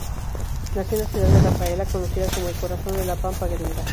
Nació en la ciudad de Rafaela, conocida como el corazón de la pampa gringa.